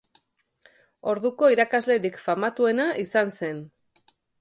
Orduko irakaslerik famatuena izan zen.